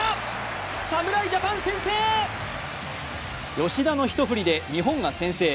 吉田の一振りで日本が先制。